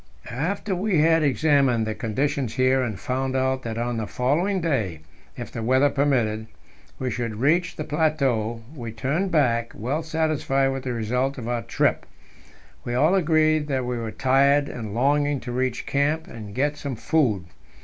After we had examined the conditions here, and found out that on the following day if the weather permitted we should reach the plateau, we turned back, well satisfied with the result of our trip. We all agreed that we were tired, and longing to reach camp and get some food.